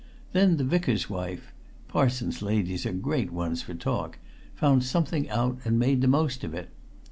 Then the Vicar's wife parsons' ladies are great ones for talk found something out and made the most of it.